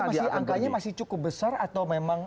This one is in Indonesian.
menurut anda angkanya masih cukup besar atau memang